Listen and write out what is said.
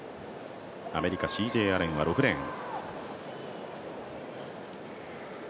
アメリカ、ＣＪ・アレンは６レーン。